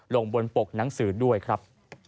ลงบนปกหนังสือด้วยครับ